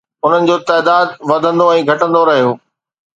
انهن جو تعداد وڌندو ۽ گهٽندو رهيو